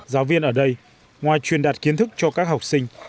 giáo viên ở đây ngoài truyền đạt kiến thức cho các học sinh